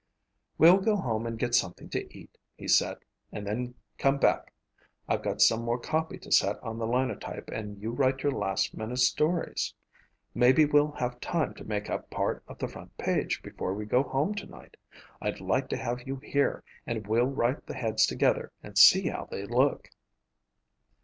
"We'll go home and get something to eat," he said, "and then come back. I've got some more copy to set on the Linotype and you write your last minute stories. Maybe we'll have time to make up part of the front page before we go home tonight. I'd like to have you here and we'll write the heads together and see how they look."